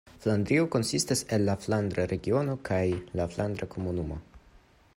Flandrio konsistas el la Flandra Regiono kaj la Flandra Komunumo.